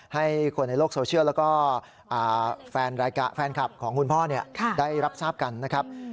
ให้คนในโลกโซเชียลแล้วก็แฟนคลับของคุณพ่อได้รับทราบกันนะครับ